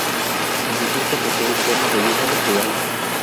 En su centro posee cuerno de búfalo de agua.